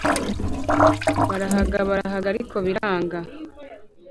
Barahaga barahaga ariko biranga